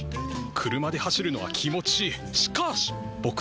車で走るのは気持ちいい。